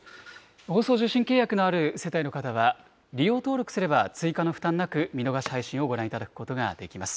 放送受信契約のある世帯の方は、利用登録すれば追加の負担なく見逃し配信をご覧いただくことができます。